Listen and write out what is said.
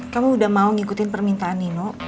kamu udah mau ngikutin permintaan nino